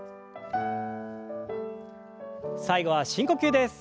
最後は深呼吸です。